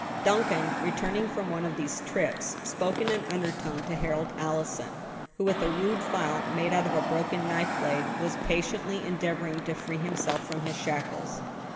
Duncan, returning from one of these trips, spoke in an undertone to Harold Allison, who with a rude file made of a broken knife blade, was patiently endeavoring to free himself from his shackles.